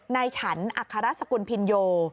ในฉันอัคฮรัฐสกุลพินโย